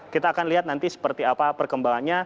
kita akan lihat nanti seperti apa perkembangannya